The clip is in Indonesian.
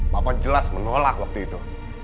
bapak jelas menolak waktu itu